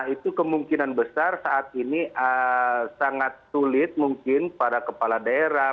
itu kemungkinan besar saat ini sangat sulit mungkin para kepala daerah